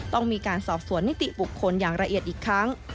ต้องมีการสอบสวนนิติบุคคลอย่างละเอียดอีกครั้ง